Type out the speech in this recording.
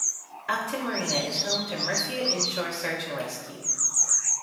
Upton Marina is home to Mercia Inshore Search and Rescue.